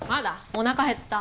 おなか減った。